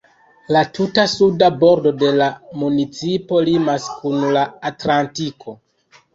La tuta suda bordo de la municipo limas kun la Atlantiko.